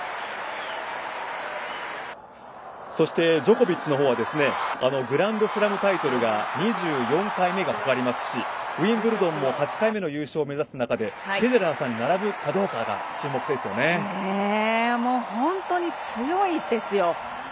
そしてジョコビッチのほうはグランドスラムタイトルが２４回目がかかりますしウィンブルドンも８回目の優勝を目指す中でフェデラーさんに並ぶかどうかが本当に強いですよ。